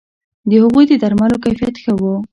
د هغوی د درملو کیفیت ښه وو